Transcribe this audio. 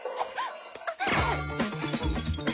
あっ！